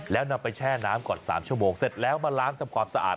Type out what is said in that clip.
แล้วนำไปแช่น้ำก่อน๓ชั่วโมงเสร็จแล้วมาล้างทำความสะอาด